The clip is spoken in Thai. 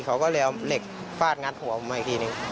เขาก็เลยเอาเหล็กฟาดงัดหัวผมมาอีกทีหนึ่ง